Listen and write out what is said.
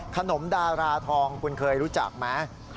ขนมดาราทองคุณเคยรู้จักไหม